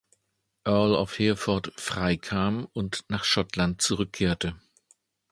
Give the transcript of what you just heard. Earl of Hereford freikam und nach Schottland zurückkehrte.